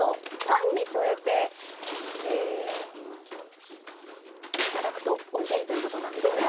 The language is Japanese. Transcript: パンに添えて頂くとおいしいということなんですね。